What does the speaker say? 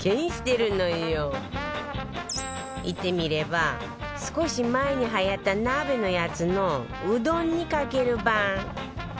言ってみれば少し前に流行った鍋のやつのうどんにかける版